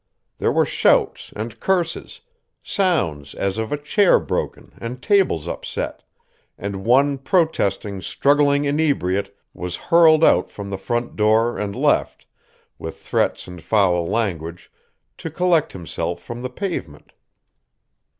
There were shouts and curses, sounds as of a chair broken and tables upset, and one protesting, struggling inebriate was hurled out from the front door and left, with threats and foul language, to collect himself from the pavement.